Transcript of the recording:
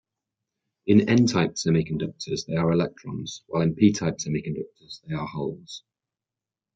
In n-type semiconductors they are electrons, while in p-type semiconductors they are holes.